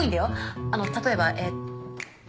あの例えばえっと。